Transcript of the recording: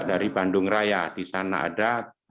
dari bandung raya disana ada